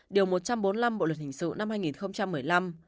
điều một trăm bốn mươi năm bộ luật hình sự năm hai nghìn một mươi năm